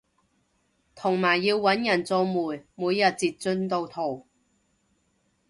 同埋要搵人做媒每日截進度圖